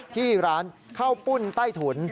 ที่ร้านข้าวปุ้นใต้ถุน